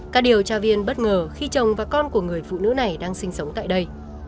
các điều tra viên bất ngờ khi chồng và con của người phụ nữ này đang sinh sống tại đây